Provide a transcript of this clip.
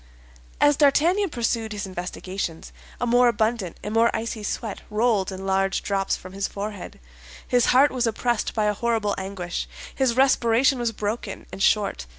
As D'Artagnan pursued his investigations, a more abundant and more icy sweat rolled in large drops from his forehead; his heart was oppressed by a horrible anguish; his respiration was broken and short.